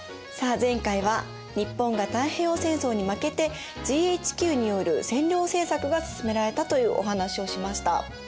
さあ前回は日本が太平洋戦争に負けてＧＨＱによる占領政策が進められたというお話をしました。